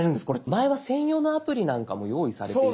前は専用のアプリなんかも用意されていたんです。